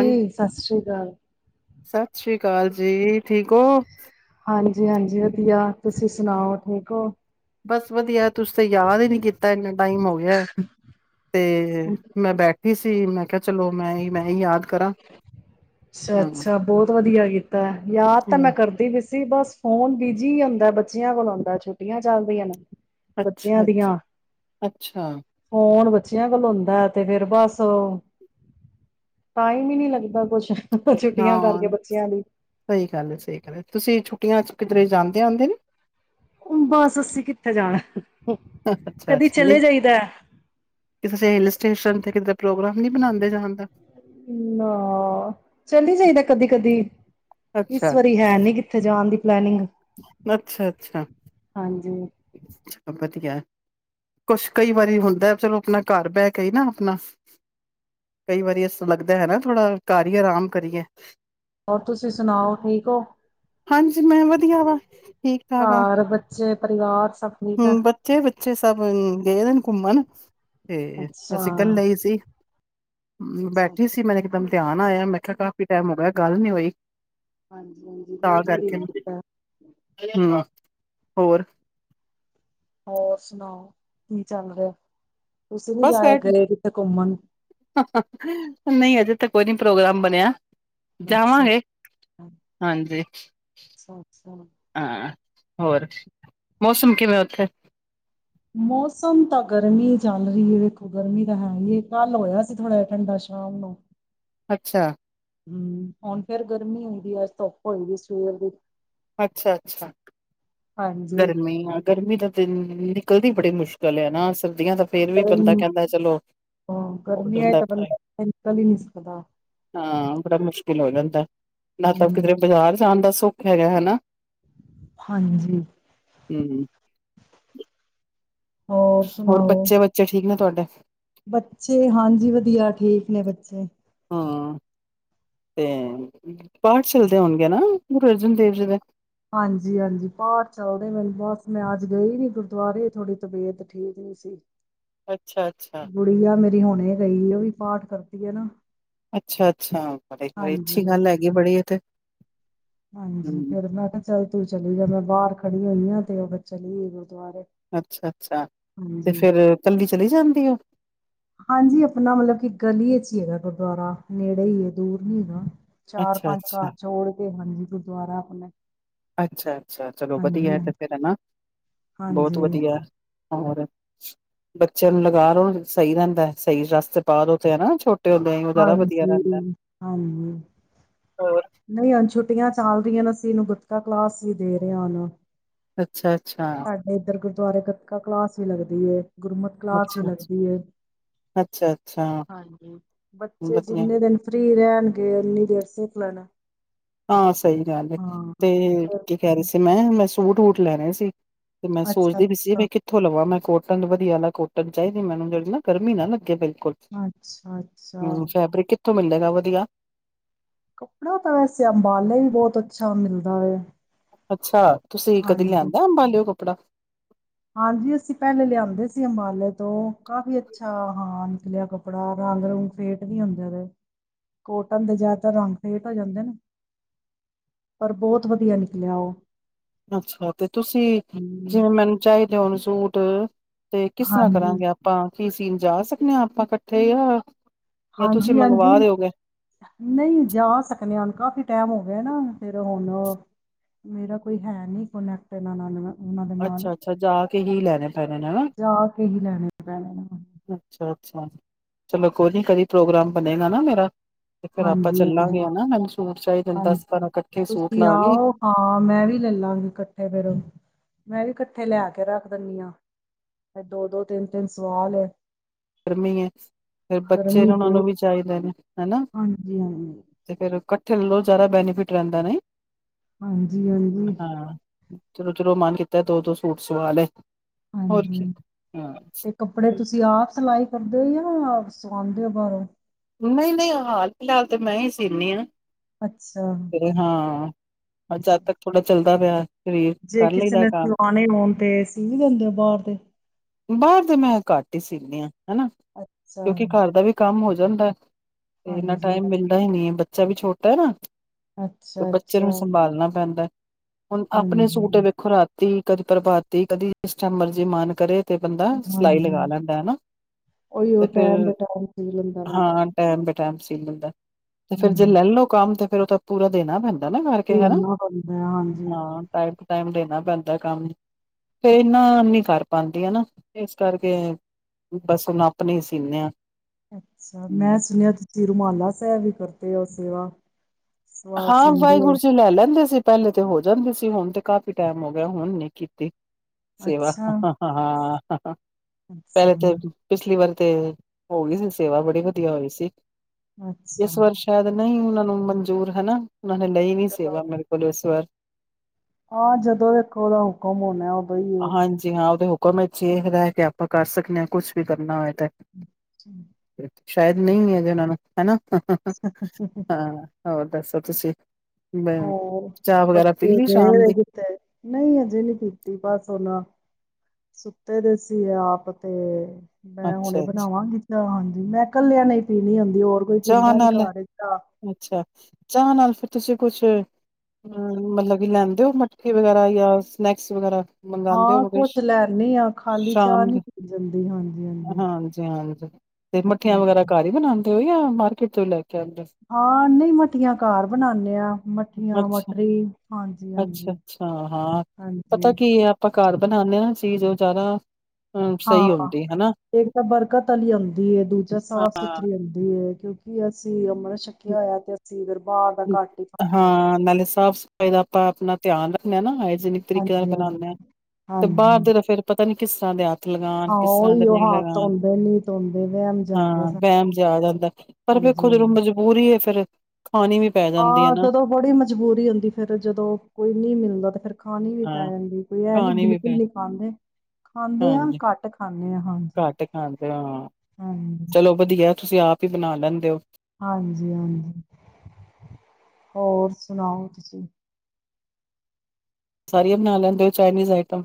ਹਾਂ ਸਤਿ ਸ੍ਰੀ ਅਕਾਲ। ਸਤਿ ਸ੍ਰੀ ਅਕਾਲ ਜੀ। ਠੀਕ ਹੋ। ਹਾਂਜੀ-ਹਾਂਜੀ ਵਧੀਆ ਤੁਸੀਂ ਸੁਣਾਓ ਠੀਕ ਹੋ। ਬਸ ਵਧੀਆ ਤੁਸੀ ਤੇ ਯਾਦ ਹੀ ਨੀ ਕੀਤਾ ਇੰਨਾ ਟਾਈਮ ਹੋ ਗਿਆ। ਤੇ ਮੈਂ ਬੈਠ ਸੀ ਮੈਂ ਕਿਹਾ ਚਲੋ ਮੈਂ ਹੀ ਮੈਂ ਹੀ ਯਾਦ ਕਰਾਂ ਹਾਂ ਅੱਛਾ-ਅੱਛਾ ਬਹੁਤ ਵਧੀਆ ਕੀਤਾ ਯਾਦ ਤਾਂ ਹਮ ਮੈਂ ਕਰਦੀ ਵੀ- ਬਸ ਫੋਨ ਬਿਜੀ ਹੁੰਦਾ ਬੱਚਿਆਂ ਕੋਲ ਆਉਦਾ ਛੁੱਟੀਆਂ ਚੱਲਦੀਆਂ ਨੇ। ਬੱਚਿਆਂ ਅੱਛਾ ਅੱਛਾ ਦੀਆਂ ਅੱਛਾ ਫੋਨ ਬੱਚਿਆਂ ਕੋਲ ਹੁੰਦਾ ਏ ਤੇ ਫੇਿਰ ਬਸ ਟਾਈਮੀ ਨੀ ਲੱਗਦਾ ਕੁਛ ਛੁੱਟੀਆਂ ਹਾਂ ਕਰਕੇ ਬੱਚਿਆਂ ਦੀ ਸਹੀ ਗੱਲ ਹੈ ਸਹੀ ਗੱਲ ਹੈ ਤੁਸੀਂ ਛਟੀਆਂ ਚ ਕਿਧਰੇ ਜਾਂਦੇ ਆਉਂਦੇ ਨੀ। ਬਸ ਅੱਸੀ ਕਿੱਥੇ ਜਾਣਾ ਅੱਛਾ ਕਦੇ ਚਲੇ ਜਾਈਦਾ। ਕਿੇ ਹਿਲ ਸਟੇਸ਼ਨ ਤੇ ਕਿ ਨਾ ਚੱਲ ਜਾਈਦਾ ਕਦੀ ਕਦੀ ਅੱਛਾ ਇਸ ਵਾਰੀ ਹੈ ਨੀ ਕਿੱਥੇ ਜਾਣ ਦੀ ਪਲਨਿੰਗ ਅੱਛਾ ਅੱਛਾ ਅੱ ਵਧਆ ਕੁਛ ਕਈ ਵਾਰੀ ਹੁੰਦਾ ਚਲੋ ਆਪਣਾ ਘਰ ਬਹਿ ਕੇ ਹੀ ਨਾ ਆਪਣਾ ਕਈ ਵਾਰੀ ਇਸ ਲੱਗਦਾ ਹੈ ਨਾ ਥੋੜਾ ਕਰ ਹੀ ਆਰਾਮ ਕਰੀਏ ਤੁਸੀਂ ਸੁਣਾਓ ਠੀਕ ਹੋ ਹਾਂਜੀ ਮੈਂ ਵਧੀਆ ਵਾ ਠੀਕ ਠਾਕ ਆ ਤੇ ਪਰਿਵਾਰ ਸਭ ਠੀਕ ਹੈ। ਹਮ ਬੱਚੇ ਬੱਚੇ ਸਭ ਗਏਦੇ ਨੇ ਘੁੰਮਣ ਤੇ ਅੱਛਾ ਅਸੀਂ ਇਕੱਲ ਹੀ ਅੱਛਾ ਸੀ ਬੈਠੀ ਅੱਛਾ ਸੀ ਮੈ ਇਕਦਮ ਧਿਆਨ ਆਇਆ ਮੈਂ ਕਿਹਾ ਕਾਫੀ ਟਾਈਮ ਹੋ ਗਿਆ ਗੱਲ ਨੀ ਹੋਈ ਹਾਂਜੀ ਹਾਂਜੀ ਤਾਂ ਉਹ ਤੁਹਾਡੀ ਕਰਕੇ ਹਮ ਹੋਰ ਹੋਰ ਸੁਣਾਓ ਕੀ ਚੱਲ ਰਿਹਾ ਤੁਸੀਂ ਨੀ ਬਸ ਜਾਏ ਗਏ ਕਿਤੇ ਘੁੰਮਣ ਨਹੀਂ ਅਜੇ ਤੇ ਕੋਈ ਨੀ ਪ੍ਰੋਗਰਾਮ ਬਣਿਆ ਅੱਛਾ ਜਾਵਾਂਗੇ ਅੱਛਾ ਹਾਂਜੀ ਅੱਛਾ ਅੱਛਾ। ਹਾਂ ਹੋਰ ਮੌਸਮ ਕਿਵੇਂ ਉੱਥੇ ਮੌਸਮ ਤਾਂ ਗਰਮੀ ਚੱਲ ਰਹੀ ਹੈ ਦੇੇਖੋ ਗਰਮੀ ਤਾਂ ਹੈ ਹੀ ਕੱਲ ਹੋਇਆ ਸੀ ਥੋੜ੍ਹਾ ਜਿਹਾ ਠੰਡਾ ਸ਼ਾਮ ਨੂੰ ਅੱਛਾ ਹਮ ਹੁਣ ਫੇਰ ਗਰਮੀ ਹੋਈ ਦੀ ਅੱਜ ਧੁੱਪ ਹੋਈ ਸਵੇਰ ਦੀ ਅੱਛਾ ਅੱਛਾ ਹਾਂਜੀ ਗਰਮੀ ਆ ਗਰਮੀ ਦਾ ਦਿਨ ਨਿਕਲਦੀ ਬੜੀ ਮੁਸ਼ਕਿਲ ਹੈ ਨਾ ਅਸਲ ਵ ਫੇਰ ਵੀ ਬੰਦਾ ਗਰਮ ਕਹਿੰਦਾ ਚਲੋ ਹਾਂ, ਹੋ ਗਰਮੀ ਹੈ ਜਾਂਦਾ ਤਾਂ ਬੰਦਾ ਨਿਕਲ ਹੀ ਨਹੀਂ ਸਕਦਾ ਹਾਂ ਬੜਾ ਮੁਸ਼ਕਿਲ ਕਿਲ ਹੋੁੰ ਤਾਂ ਨਾ ਤਾਂ ਹਮ ਕਿਧਰੇ ਬਾਜ਼ਾਰ ਜਾਣ ਦਾ ਭੁੱਖ ਹੈਗ ਹਨਾ ਹਾਂਜੀ ਹਮ ਹੋਰ ਬੱਚੇ ਬੱਚੇ ਠੀਕ ਨੇ ਤੁਹਾਡੇ ਬੱਚੇ ਹਾਂਜੀ ਵਧੀਆ ਠੀਕ ਨੇ ਬੱਚੇ ਹਾਂ ਤੇ ਪਾਠ ਚਲਦੇ ਹੋਣਗੇ ਨਾ ਗੁਰੂ ਅਰਜਨ ਦੇਵ ਜੀ ਦੇ ਹਾਂਜੀ ਹਾਂਜੀ ਪਾਠ ਚੱਲਦੇ ਮੈਨੂੰ ਬਸ ਮੈਂ ਅੱਜ ਗਈ ਨੀ ਗੁਰਦੁਆਰੇ ਥੋੜ੍ਹੀ ਤਬੀਅਤ ਠੀਕ ਨਹੀਂ ਸੀ ਅੱਛਾ ਅੱਛਾ ਗੁੜੀਆ ਆ ਮੇਰੀ ਹੁਣੇ ਗਈ ਉਹ ਵੀ ਪਾਠ ਕਰਦੀ ਹੈ ਨਾ ਅੱਛਾ ਅੱਛਾ ਬੜ ਬੜੀ ਅੱਛੀ ਗੱਲ ਹਾਂਜੀ ਹੈਗੀ ਬੜੀ ਇਹਥੇ ਹਾਂਜੀ ਫੇਰ ਮੈਂ ਕਿਹਾ ਚੱਲ ਤੂੰ ਚਲੀ ਜਾ ਮੈਂ ਬਾਹਰ ਖੜੀਆਂ ਹੋਈਆਂ ਤੇ ਉਹ ਚਲੀ ਗੁਰਦੁਆਰੇ ਅੱਛਾ ਅੱਛਾ ਤੇ ਹਾਂਜੀ ਫੇਰ ਕੱਲੀ ਚਲੀ ਜਾਂਦੀ ਉਹ ਹਾਂਜੀ ਆਪਣਾ ਮਤਲਬ ਕਿ ਗਲੀਏ ਚ ਹੀ ਹੈਗਾ ਗੁਰਦੁਆਰਾ ਨੇੜੇ ਹੀ ਹੈ ਦੂਰ ਨੀ ਹੈਗਾ ਚਾਰ ਅੱਛਾ ਪੰਜ ਘਰ ਅੱਛਾ ਚ ਹੋਰ ਤੇ ਹਾਂਜੀ ਗੁਰਦੁਆਰਾ ਆਪਣੇ ਅੱਛਾ ਅੱਛਾ ਚਲੋ ਹਾਂਜੀ ਵਧੀਆ ਤੇ ਫਿਰ ਨਾ ਬਹੁਤ ਹਾਂਜੀ ਵਧੀਆ ਹੋਰ ਬੱਚਿਆਂ ਨੂੰ ਲਗਾ ਲੋ ਸਹੀ ਰਹਿੰਦਾ ਸਹੀ ਰਸਤੇ ਪਾ ਲੋੋ ਤੇ ਹਨਾ ਛੋਟੇ ਉਹ ਜ਼ਦਾ ਵਧੀਆ ਹਾਂਜੀ, ਰਹਿੰਦਾ ਹਾਂਜੀ, ਹੋਰ ਨਹੀਂ ਹੁਣ ਛੁੱਟੀਆਂ ਚੱਲ ਰਹੀਆਂ ਅਸੀਂ ਇਹਨੂੰ ਗੁਤਕਾ ਕਲਾਸ ਵੀ ਦੇ ਰਹੇ ਹਾਂ ਹਨ ਅੱਛਾ ਅੱਛਾ ਸਾਡੇ ਗਤਕਾ ਕਲਾਸ ਵੀ ਲੱਗਦੀ ਏ ਗੁਰਮਤ ਕਲਾਸ ਵੀ ਅੱਛਾ-ਅੱਛਾ, ਲਗਦੀ ਹੈ ਅੱਛਾ-ਅੱਛਾ ਹਾਂਜੀ ਬੱਚੇ ਵਧੀਆ ਜਿੰਨੇ ਦਿਨ ਫਰੀ ਰਹਿਣਗੇ ਇੰਨੀ ਦੇਰ ਸਕ ਲੈਣਾ ਹਾਂ ਸਹੀ ਗੱਲ ਹੈ ਤੇ ਕੀ ਕਹਿ ਰਹੇ ਸੀ ਮੈਂ ਮੈਂ ਸੂਟ ਵੂਟ ਲੈਣੇ ਸੀ ਤੇ ਮੈਂ ਸੋਚਦੀ ਵੀ ਸੀ ਅੱਛਾ-ਅੱਛਾ, ਮੈਂ ਕਿੱਥੋਂ ਲਵਾਂ ਮੈਂ ਕੋਟਨ ਵਧੀਆਾ ਕੋਟਨ ਚਾਹੀਦੀ ਮੈਨੂੰ ਜਿਹੜੀ ਨਾ ਗਰਮੀ ਨਾ ਲੱਗੇ ਪਲੀ ਅੱਛਾ ਅੱਛਾ ਤੋਂ ਮਿਲਦਾਗਾ ਵਧੀਆ ਕ ਕਪਰਾ ਤਾਂ ਵੈਸੇ ਅੰਬਾਲੇ ਵੀ ਬਹੁਤ ਅੱਛਾ ਮਿਲਦਾ ਹੈ ਅੱਛਾ ਤੁਸੀਂ ਕਦੀ ਲਿਆਂਦਾ ਅੰਬਆ ਲਿਓ ਕਪੜਾ ਹਾਂਜੀ ਅਸੀਂ ਪਹਿਲੇ ਲਿਆਂਦੇ ਸੀ ਅੰਬਾਲੇ ਤੋਂ ਕਾਫ਼ੀ ਅੱਛਾ ਹਾਂ ਨਿਕਲਿਆ ਕੱਪੜਾ ਰੰਗ ਰੂੰਗ ਫੇਟ ਨਹੀਂ ਹੁੰਦੇਦੇ ਕੋਟਨ ਦੇ ਜ਼ਿਆਦਾਤਰ ਰੰਗ ਫੇਟ ਹੋ ਜਾਂਦੇ ਨਾ ਪਰ ਬਹੁਤ ਵਧੀਆ ਨਿਕਲਿਆ ਉਹ ਅੱਛਾ ਤੇ ਤੁਸੀਂ ਹੂੰ, ਜਿਵੇਂ ਮੈਨੂੰ ਚਾਹੀਦੇ ਉਹਨ ਸੂਟ ਤੇ ਕਿਸ ਤਰ੍ਹਾਂ ਹਾਂਜੀ, ਕਰਾਂਗੇ ਆਪਾਂ ਕੀ ਅਸੀਂ ਜਾ ਸਕਦੇ ਹਾਂ ਆਪਾਂ ਇਕੱਠੇ ਆ ਹਾਂਜੀ ਹਾਂਜੀ ਨਹੀਂ ਜਾ ਸਕਦੇ ਹੁ ਕਾਫੀ ਟਾਈਮ ਹੋ ਨਾ ਫੇਿਰ ਹੁਣ ਮੇਰਾ ਕੋਈ ਹੈ ਨੀ ਕੋਨੈਕਟ ਇਹਨਾਂ ਨਾਲ ਉਹਨਾਂ ਦੇ ਨਾਲ ਅੱਛਾ ਅੱਛਾ ਜਾ ਕੇ ਹੀ ਲੈਣੇ ਪੈਣੇ ਨੇ ਹਨਾ ਜਾ ਕੇ ਹੀ ਲੈਣੇ ਪੈਣੇ ਨੇ ਹੁਣ। ਅੱਛਾ ਅੱਛਾ ਚਲੋ ਕੋਈ ਨੀ ਕਦੀ ਪ੍ਰੋਗਰਾਮ ਬਣੇਗਾ ਨਾ ਮੇਰਾ ਤੇ ਫੇਰ ਆਪਾਂ ਹਾਂਜੀ ਚੱਲਾਂਗੇ ਹਾਂਜੀ ਹਨਾ ਮੈਨੂੰ ਸੂਟ ਚਾਹੀਦੇ ਨੇ ਦਸ ਹਾਂਜੀ ਬਾਰਾਂ ਇਕੱਠੇ ਸੂਟ ਤੁਸੀਂ ਲਾਂਗੇ ਆਓ ਹਾਂ ਮੈਂ ਵੀ ਲੈਲਾਂਗੀ ਇਕੱਠੇ ਫੇਿਰ ਮੈਂ ਵੀ ਇਕੱਠੇ ਲੈ ਕੇ ਰੱਖ ਦਿੰਦੀ ਆਾਂ ਦੋ ਦੋ ਤਿੰਨ ਤਿੰਨ ਸਵਾਲ ਗਰਮੀ ਹੈ ਫਿਰ ਬੱਚੇ ਗਰਮੀ ਨੇ ਉਹਨਾਂ ਨੂੰ ਬਹੁਤ ਵੀ ਚਾਹੀਦੇ ਨੇ ਹਨਾ ਹਾਂਜੀ ਹਾਂਜੀ ਤੇ ਫਿਰ ਕ ਥ ਜ਼ਿਆਦਾ ਬੈਨੀਫਿਟ ਰਹਿੰਦਾ ਨੇ ਹਾਂਜੀ ਹਰ ਜੀ ਚਲੋ ਚਲੋ ਮਨ ਕੀਤਾ ਦੋ ਦੋ ਸੂਟ ਸਵਾ ਲਏ ਹੋਰ ਕੀ ਹਾਂਜੀ ਹਾਂ ਤੇ ਕੱਪੜੇ ਤੁਸੀਂ ਆਪ ਸਿਲਾਈ ਕਰਦੇ ਹੋ ਜਾਂ ਸੁਖਉਦੇ ਹੋ ਬਾਹਰੋਂ ਨਹੀਂ ਨਹੀਂ ਹਾਲ ਫਿਲਹਾਲ ਤੇ ਮੈਂ ਹੀ ਸੀਦੀ ਅੱਛਾ ਹਾਂ ਹਾਂ ਜ ਅੱਛਾ ਤੱਕ ਥੋੜਾ ਚੱਲਦਾ ਦਾ ਪਿਆ ਸਰੀਰ ਜੇ ਕਰ ਕਿਸੇ ਲਈਦਾ ਨੇ ਕੰਮ ਸਵਾਣੇ ਹੋਣ ਤੇਸੀ ਵੀ ਦਿੰਦੇ ਹੋ ਬਾਹਰ ਦੇ ਚਨੀਆਂ ਹਨਾ ਅੱਛਾ ਕਿਉਂਕਿ ਘਰ ਦਾ ਵੀ ਕੰਮ ਹੋ ਜਾ [unintelligible] ਤੇ ਇੰਨਾ ਹਾਂਜੀ ਟਾਈਮ ਹਾਂਜੀ ਮਿਲਦਾ ਹੀ ਨਹੀਂੀ ਹੈ ਬੱਚਾ ਬੱਚਾ ਵੀ ਛੋਟਾ ਹੈ ਨਾ ਤੇ ਅੱਛਾ ਬੱਚੇ ਨੂੰ ਅੱਛਾ ਸੰਭਾਲਣਾ ਪੈਂਦਾ ਹੁਣ ਆਪਣੇ ਸੂਟ ਹਾਂਜੀ ਵੇਖੋ ਰਾ ਕਦੀ ਪ੍ਰਭਾਤੀ ਕਦੀ ਜਿਸ ਟਮ ਮਰਜ਼ੀ ਮਾਣ ਕਰੇ ਤੇ ਬੰਦਾ ਸਿਲਾਈ ਹਾਂਜੀ ਲਗਾ ਲੈਂਦਾ ਹਨਾ ਉਹੀਓ ਤੇ ਫਿਰ ਟਾਈਮ ਦਾ ਟਾਈਮ ਸੀ ਲੈਂਦਾ ਬੰਦਾ ਹਾਂ ਟਾਈਮ ਪ ਟਾਈਮ ਸੀ ਬੰਦਾ ਤੇ ਫੇਰ ਜੇ ਹਮ ਲੈਲਓ ਕੰਮ ਤੇ ਫੇਰ ਉਹ ਤਾਂ ਪੂਰਾ ਦੇਣਾ ਭੈ ਨਾ ਕਰਕੇ ਹਨਾ ਦੇਣਾ ਪੈਂਦਾ ਹੈ, ਹਾਂਜੀ ਹਾਂ ਟਾਈਮ ਦੇਣਾ ਪੈਂਦਾ ਕੰਮ ਫਿਰ ਇਹਨਾ ਨ ਕਰ ਪਾਉਂਦੀ ਆ ਨਾ ਇਸ ਕਰਕੇ ਬਸ ਨੱਪਣੇ ਸੀਨ ਆ ਅੱਛਾ ਮੈਂ ਸੁਣਿਆ ਤੁਸੀਂ ਰੁਮਾਲਾ ਸ ਵੀ ਕਰਦੇ ਉਹ ਸੇਵਾ। ਸਵਾ ਹਾਂ ਸੀਂਦੀ ਹੈ ਵਾਹਿਗੁਰੂ ਜੀ ਲੈ ਲੈਂਦੇ ਸੀ ਪਹਿਲੇ ਤੇ ਹੋ ਜਾਂਦੇ ਸੀ ਹੁਣ ਤੇ ਕਾਫ਼ੀ ਟਾਈਮ ਹੋ ਗਿਆ ਹੁਣ ਨ ਕੀਤੀ। ਸੇਵਾ ਅੱਛਾ ਹਾਂ। ਹਾਂ ਹਾਂ। ਅੱਛਾ ਪਹਿਲੇ ਤਾਂ ਪਿਛਲੀ ਵਾਰ ਤੇ ਹੋ ਗਈ ਸੀ ਸੇਵਾ ਬੜੀ ਵਧੀਆ ਹੋਈ ਸੀ। ਅੱਛਾ। ਇਸ ਵਾਰ ਸ਼ਾਇਦ ਨਹੀਂ ਉਹਨਾਂ ਨੂੰ ਜ਼ੂਰ ਹਨਾ। ਉਹਨਾਂ ਨੇ ਲਈ ਨੀ ਚਲੋ ਸੇਵਾ ਮੇਰੇ ਕੋਲ ਇਸ ਵਾਰ। ਹਾਂ ਜਦੋਂ ਵੇਖੋ ਉਹਦਾ ਹੁਕਮ ਹੋਣਾ ਹੀ ਹਾਂਜੀ ਹਾਂ ਉਹਦੇ ਹੂ ਮ ਵਿੱਚ ਹੀ ਰਹਿ ਕੇ ਆਪਾਂ ਕਰ ਸਕਦੇ ਹਾਂ ਕੁਛ ਵੀ ਕਰਨਾ ਹੋਏ ਤੇ। [inaudible] ਸ਼ਾਇਦ ਨਹੀਂ [unintelligible] ਉਹਨਾਂ ਨੂੰ ਹਨਾ। ਹਾਂ। ਹੋਰ ਦੱਸੋ ਤੁਸੀਂ। ਹੋਰ ਚਾਹ ਵਗੈਰਾ ਪੀ ਬੱਚੇ ਲਈ ਗਏ ਸ਼ਾਮ ਹੋਏ ਦੀ ਕਿਤੇ, ਨਹੀਂ ਹਜੇ ਨਹੀਂ ਪੀਤੀ ਬਸ ਸੁੋ ਸੁੱਤੇ ਦੇ ਸੀ ਆਪ ਤੇ ਮੈਂ ਹੁਣੇ ਅੱਛਾ ਅੱਛਾ ਬਣਾਵਾਂਗੀ। ਹਾਂਜੀ ਮੈਂ ਕੱਲਿਆਂ ਨਹੀਂ ਪੀਣੀ ਹੁੰ ਚਾਹ ਨਾਲ ਅੱਛਾ ਚਾਹ ਨਾਲ ਫ ਤੁਸੀਂ ਕੁਛ ਮਤਲਬ ਕੀ ਲੈਂਦੇ ਹੋ ਮੱਠੀ ਵਗੈਰਾ ਯਾ ਸਨੈਕਸ ਵਗੈਰਾ। ਮੰਗਵਾਉਂਦੇ ਹਾਂ ਹੋਗੇ ਕੁਛ ਲੈਣੀ ਆ ਖਾਲੀ ਚਾਹ ਸ਼ਾਮ ਨੀ ਦੇ ਪੀ ਜਾਂਦੀ ਹਾਂਜੀ ਹਾਂਜੀ ਹਾਂਜੀ-ਹਾਂਜੀ ਤੇ ਮੱਠੀਆਂ ਹਮ। ਵਗੈਰਾ ਘਰ ਹੀ ਬਣਾਦੇ [unintelligible] ਮਾਰਕੇਟ ਚ ਲੈ ਹਾਂ ਨਹੀਂ ਮੱਠੀਆਂ ਘਰ ਬਣਾਉਦੇ ਆ ਮੱਠੀਆਂ, ਅੱਛਾ ਮਟਰੀ ਅੱਛਾ ਹਾਂਜੀ-ਹਾਂਜੀ, ਅੱਛਾ ਹਾਂਜੀ। ਖਾਣੇ ਹ ਚੀਜ਼ ਉਹ ਜ਼ਿਆਦਾ ਅ ਸਹੀ ਹਾਂ ਹੁੰਦੀ ਹਨਾ ਇੱਕ ਤਾਂ ਬਰਕਤ ਵਾਲੀ ਆਉਂਦੀ ਹੈ ਦੂਜਾ ਸਾਫ਼ ਹਾਂ ਸੁਥਰੀ ਆਉਂਦੀ ਹੈ ਕਿਉਂ ਕੀ ਅਸੀਂ ਮ੍ਰਤ ਛੱਕਿਆ ਹੋਇਆ ਤੇ ਅਸੀਂ ਇਧਰ ਹਾਂ ਨਾਲੇ ਸਾਫ਼ ਸਫ਼ਾਈ ਦਾ ਆਪਾਂ ਆਪਣਾ ਧਿਆਨ ਰੱਖ ਨ ਆ ਜਿੰਨੀ ਤਰੀਕੇ ਨਾਲ ਹਾਂਜੀ ਬਣਾਉਂਦੇ ਹਾਂ ਹਾਂਜੀ ਤੇ ਹਾਂਜੀ ਬਾਹਰ ਦੇ ਤਾਂ ਫਰ ਪਤਾ ਨੀ ਕਿਸ ਤਰ੍ਹਾਂ ਦੇ ਆ ਲਗਾਨ ਹਾਂ ਕਿਸ ਤਰ੍ਹਾਂ ਦੇ ਉਹੀ ਉਹ ਨਹੀਂ ਹੱਥ ਲਗਾਾਨ ਧੋਂਦੇ ਨਹੀਂ ਧੋਂਦੇ ਵਹਿਮ ਜਾਂਦਾ ਹਾਂ ਸਾਡਾ ਵਹਿਮ ਜਾ ਜਾਂਦਾ ਪਰ ਹਾਂਜੀ ਵੇਖੋ ਜਦੋਂ ਹਾਂਜੀ ਮਜਬੂਰੀ ਹੈ। ਫੇਿਰ ਹਾਂ ਜਦੋਂ ਬੜੀ ਮਜਬੂਰੀ ਹੁੰਦੀ ਫੇਿਰ ਜਦੋਂ ਕੋਈ ਨਹੀਂ ਮਿਲਦਾ ਤੇ ਫਿਰ ਖਾਣੀ ਵੀ ਪੈ ਹਾਂ ਜਾਂਦੀ ਕੋਈ ਇਹ ਨੀ ਖਾਣੀ ਵੀ ਬਿਲਕੁਲ ਪੈ ਨਹੀਂ ਖਾਂਦੇ ਖਾਂਦੇ ਹਾਂ ਘੱਟ ਖਾਂਦੇ ਆ ਹਾਂਜੀ ਘਟ ਖਾਂਦੇ ਹਾਂ ਹਾਂਜੀ ਚਲੋ ਵਧੀਆ ਤੁਸੀਂ ਆਪ ਬਣਾ ਲੈਂਦੇ ਹੋ। ਹਾਂਜੀ ਹਾਂਜੀ ਹੋਰ ਸੁਣਾਓ ਤੁਸੀਂ ਸਾਰੀਆਂ ਬਣਾ ਲੈਂਦੇ ਹੋ ਚਾਈਨੀਜ਼ ਆਈਟਮ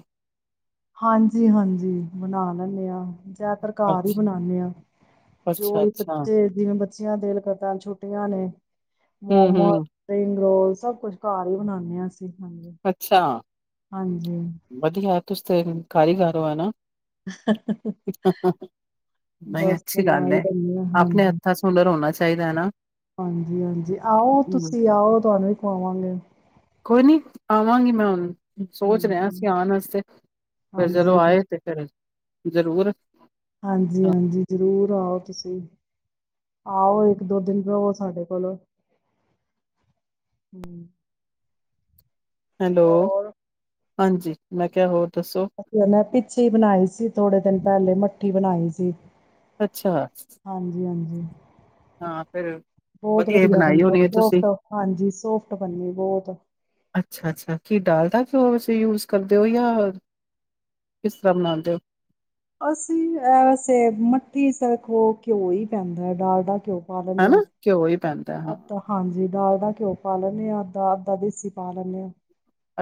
ਹਾਂਜੀ ਹਾਂਜੀ ਬਣਾ ਲੈਂਦੇ ਹਾਂ ਜ਼ਿਆਦਾਤਰ ਘਰ ਹੀ ਅੱਛਾ ਬਣਾਦੇ ਆਾਂ ਜੋ ਅੱਛਾ ਵੀ ਅੱਛਾ ਬੱਚੇ ਜਿਵੇਂ ਬੱਚਿਆਂ ਦਿਲ ਕਰ ਛੋਟੀਆਂ ਨੇ ਹੂੰ ਮੋਮੋ ਹੂੰ ਸਪਿੰਗ ਰੋਲ ਸਭ ਕੁਛ ਘਰ ਹੀ ਬਣਾਉਾਨਦੇ ਹਾਂ ਅਸੀਂ ਹਾਂਜੀ ਅੱਛਾ ਹਾਂਜੀ ਵਧੀਆ ਤੁਸੀ ਤੇ ਕਾਰੀਗਰੋਂ ਹੈ। ਨਾ ਨਹੀਂ ਬਸ ਸੁ ਅੱਛੀ ਗੱਲ ਹੀ ਹੈ ਜਾਂਦੀ ਹ ਆਪਣੇ ਹਾਂਜੀ ਹੱਥਾਂ ਚ ਹੁਨਰ ਹੋਣਾ ਚਾਹੀਦਾ ਨਾ ਹਾਂਜੀ ਹਾਂਜੀ ਆਓ ਹੂੰ ਤੁਸੀਂ ਆਓ ਤੁਹਾਨੂੰ ਵੀ ਕਮਾਵਾਂਗੇ ਆਵਾਂਜੀ ਮੈਮ ਸੋਚ ਰਿਹਾ ਅਸੀਂ ਆਉਣ ਵਾਸਤੇ ਫਰ ਜਦੋਂ ਹਾਂਜੀ, ਆਏ ਤੇ ਫਿਰ ਜ਼ਰੂਰ ਹਾਂਜੀ-ਹਾਂਜੀ ਜ਼ਰੂਰ ਆਓ ਤੁਸੀਂ ਆਓ ਇੱਕ ਦੋ ਦਿਨ ਰਓ ਸਾਡੇ ਕੋਲ ਹੈਲੋ ਹੋਰ ਹਾਂਜੀ ਮੈਂ ਕਿਹਾ ਹੋਰ ਦੱਸੋ -ਪਿੱਛੇ ਹੀ ਬਣਾਈ ਸੀ ਥੋੜੇ ਦਿਨ ਪਹਿਲੇ ਮੱਠੀ ਬਣਾਈ ਸੀ ਅੱਛਾ ਜੀ [inaudible] ਹਾਂ ਫਿਰ ਵਧੀਆ ਬਣਾਈ ਬਣਿਆ ਹੋਣੀ ਹੈ ਤੁਸੀਂ ਸੋਫਟ ਹਾਂਜੀ ਸੋਫਟ ਬਣੀ ਬਹੁਤ ਅੱਛਾ ਅੱਛਾ ਘੀ ਡਾਲ ਦਾ। ਸੌਸ ਯੂਜ ਕਰਦੇ ਹੋ ਯਾ ਕਿਸ ਤਰਾਂ ਬਣਾਉਂਦੇ ਊ। ਅਸੀਂ ਵੈਸੇ ਮੱਠੀ ਸਿਰਕ ਉਹ ਘਿਓ ਹੀ ਪੈਂਦਾ ਹੈ ਡਾਲਡਾ ਘਿਓ। ਹਨਾ ਘਿਓ ਹੀ ਪੈਦਾ। ਅਦਾ ਹਾਂਜੀ। ਡਾਲਡਾ ਘਿਓ ਪਾ ਲੈਂਦੇ ਹਾਂ ਅੱਧਾ ਅੱਧਾ ਦੇਸੀ ਪਾ ਲੈਂਦੇ ਹਾਂ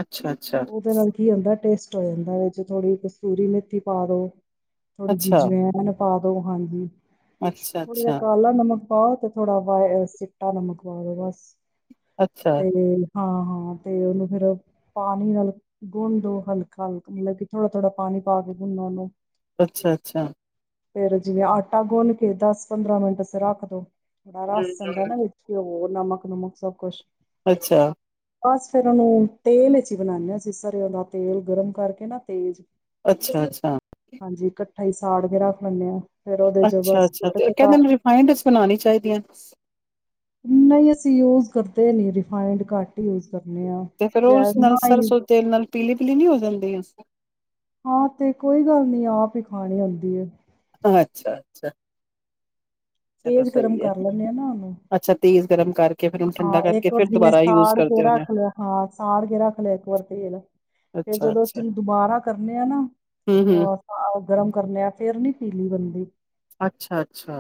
ਅੱਛਾ-ਅੱਛਾ, ਉਹਦੇ ਨਾਲ ਕੀ ਹੁੰਦਾ ਟੇਸਟ ਪੈਂਦਾ ਹੈ ਵਿੱਚ ਥੋੜ੍ਹੀ ਕਸੂਰੀ ਮਿੱਥਤੀ ਪਾ ਦੋ ਥੋੜੀ ਜਿਹੀ ਅੱਛਾ, ਜਵਾਇਣ ਪਾ ਦੋ ਹਾਂਜੀ। ਥੋੜਾ ਜਿਹਾ ਅੱਛਾ-ਅੱਛਾ, ਕਾਲਾ ਨਮਕ ਬਹੁਤ ਥੋੜਾ ਵ ਚਿੱਟਾ ਨਮਕ ਪਾ ਦੋ ਬਸ। ਅੱਛਾ, ਤੇ ਹਾਂ ਹਾਂ ਤੇ ਉਹਨੂੰ ਫੇਿਰ ਪਾਣੀ ਨਾਲ ਗੁੰਨ ਦੋ ਹਲਕਾ ਹਲਕਾ ਮਤਲਬ ਕਿ ਥੋੜਾ ਥੋੜਾ ਪਾਣੀ ਪਾ ਕੇ ਗੁੰਨ ਉਹਨੂੰ ਅੱਛਾ ਅੱਛਾ। ਫੇਿਰ ਜਿਵੇਂ ਆਟਾ ਗੁੰਨ ਕੇ ਦਸ ਪੰਦਰਾਂ ਮਿੰਟ ਵਸਤੇ ਰੱਖ ਦੋ। ਬੜਾ ਰਸ ਜਾਂਦਾ ਨਾ ਹੂੰ ਵਿੱਚ ਉਹ ਬਹੁ। ਨਮਕ ਨਮੁਕ ਸਭ ਕੁੁਸ਼। ਅੱਛਾ। ਬਸ ਫੇਰ ਉਹਨੂੰ ਤੇਲ ਵਿੱਚ। ਬਣਾਉਦੇ ਹਾਂ ਸੀ ਸਰਓ ਦਾ ਤੇਲ ਗਰਮ ਕਰਕੇ ਨਾ ਤੇਜ਼। ਅੱਛਾ ਅੱਛਾ। ਰਾਈ ਸਾੜ ਕੇ ਰੱਖ ਲੈਂਦੇ ਹਾਂ। ਫਿਰ ਉਹਦੇ ਚ ਅੱਛਾ ਬਸ ਅੱਛਾ ਸੁੱਟ ਅਤੇ ਦਿੱਤਾ ਕਹਿੰਦੇ ਨੇ ਰਿਫਾਈੰਡਸ ਬਣਾਉਣੀ ਚਾਹੀਦੀਆਂ। ਨਹੀਂ ਅਸੀਂ ਉਹ ਤਦੇ ਨੀ ਰਿਫਾਇੰਡ ਕਟ ਤੇ ਫੇਰ ਉਹ ਉਸ ਨਾਲ ਹੀ ਸਰਸੋਂ ਤੇਲ ਨਾਲ ਪੀਲੀ ਪੀਲੀ ਨੀ ਹੋ ਜਾਂਦੀ ਆ। ਹਾਂ ਤੇ ਕੋਈ ਗੱਲ ਨੀ ਆਪ ਹੀ ਖਾਣੀ ਹੁੰਦੀ ਏ। ਅੱਛਾ ਅੱਛਾ ਚਲੋ ਤੇਜ਼ ਗਰਮ ਸਹੀ ਹੈ ਕਰ ਲੈਂਦੇ ਆ ਨਾ ਉਹਨੂੰ ਅੱਛਾ ਤੇਜ ਗਰਮ ਕਰਕੇ। ਫਿਰ ਉਹਨੂੰ ਹਾਂ ਠੰਡਾ ਕਰਕੇ ਇੱਕ ਵਾਰ ਫਿਰ ਜਿਵੇਂ ਦੁਬਾਰਾ ਯੂਜ ਸਾੜ ਕੇ ਕਰਦੇ ਉਹਨੇ ਰੱਖ ਲਿਆ ਹਾਂ ਸਾੜ ਕੇ ਰੱਖ ਲਿਆ ਇੱਕ ਵਾਰ ਤੇਲ ਫਰ ਜਦੋਂ ਅੱਛਾ-ਅੱਛਾ ਅਸੀਂ ਨੂੰ ਦੁਬਾਰਾ ਕਰਨੇ ਆ ਨਾ ਹੂੰ-ਹੂੰ ਅ ਗਰਮ ਕਰਨੇ ਆ ਫੇਰ ਨੀ ਘੀ ਬੰਦੀ ਅੱਛਾ ਅੱਛਾ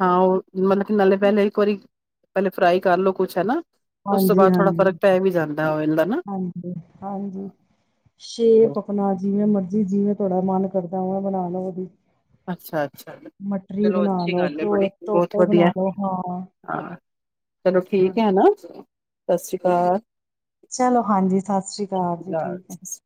ਹਾਂ ਉਹ ਮਤਲਬ ਕਿ ਨਾਲੇ। ਪਹਿਲੇ ਇੱਕ ਵਾਰੀ ਪਹਿਲੇ ਫਰਾਈ ਕਰਲੋ ਕੁਛ ਹਨਾ। ਉਸ ਤੋਂ ਹਾਂਜੀ, ਬਾਅਦ ਥੋੜਾ ਹਾਂਜੀ, ਫ਼ਰਕ ਪੈ ਵੀ ਜਾਂਦਾ ਓਇਲ ਦਾ ਨਾ। ਹਾਂਜੀ, ਹਾਂਜੀ ਚਲੋ ਸ਼ੇਪ ਅਪਨਾ ਜਿਵੇ ਮਰਜ਼ੀ। ਜਿਵੇਂ ਤੁਹਾਡਾ ਮਨ ਕਰਦਾ ਓਵੇ ਬਣਾ ਲਓ ਕਦੀ। ਅੱਛਾ -ਅੱਛਾ ਚਲੋ ਬਣਾ ਅੱਛੀ ਲਓ ਗੱਲ ਹੈ ਚੋ ਬੜੀ। ਬਹੁਤ ਟੋਟੇ ਬਣਾ ਵਧੀਆ ਲਓ ਹਾਂ ਹਾ। ਚਲੋ ਠੀਕ ਹਾਂਜੀ ਹੈ ਨਾ। ਸਤਿ ਸ਼੍ਰੀ ਅਕਾਲ। ਚਲੋ ਹਾਂਜੀ ਸਤਿ ਸ੍ਰੀ ਅਕਾਲ ਜੀ ਠੀਕ ਹੈ। ਅਕਾਲ।